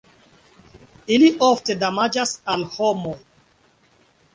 Ili ofte damaĝas al homoj.